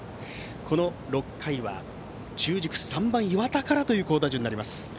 この６回は、中軸３番、岩田からという好打順です。